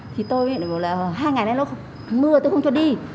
thì tôi thì bảo là hai ngày nay nó mưa tôi không cho đi